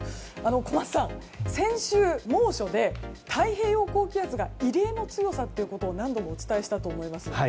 小松さん、先週猛暑で太平洋高気圧が異例の強さということを何度もお伝えしたと思います。